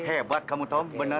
hebat kamu tom benar